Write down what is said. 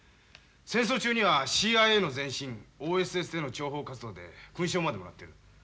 戦争中にはＣＩＡの前身ＯＳＳでの諜報活動で勲章までもらってる。